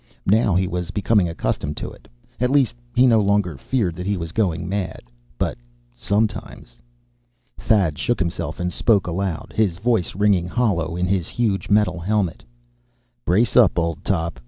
Now he was becoming accustomed to it. At least, he no longer feared that he was going mad. But sometimes.... Thad shook himself and spoke aloud, his voice ringing hollow in his huge metal helmet: "Brace up, old top.